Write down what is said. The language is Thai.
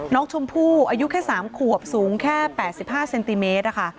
น้องชมพู่อายุแค่๓ขวบสูงแค่๘๕เซนติเมตรนะคะ